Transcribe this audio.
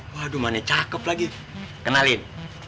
waduh mana cakep lagi kenalin